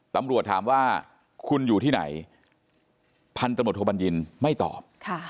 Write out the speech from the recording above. ตำรวจถามว่าคุณอยู่ที่ไหนพันตำรวจโทบัญญินไม่ตอบ